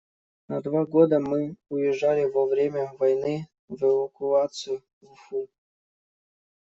На два года мы уезжали во время войны в эвакуацию в Уфу.